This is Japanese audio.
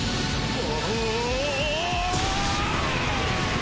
お？